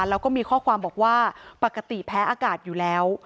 แล้วก็มีข้อความบอกว่าปกติแพ้อากาศอยู่แล้ว